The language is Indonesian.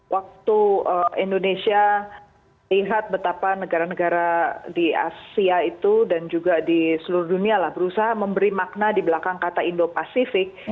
waktu indonesia lihat betapa negara negara di asia itu dan juga di seluruh dunia lah berusaha memberi makna di belakang kata indo pasifik